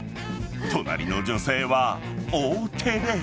隣の女性は大照れ。